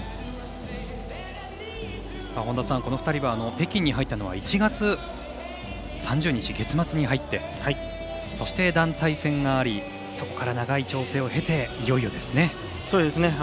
本田さん、この２人は北京に入ったのは１月３０日、月末に入ってそして、団体戦がありそこから長い調整を経ていよいよですね。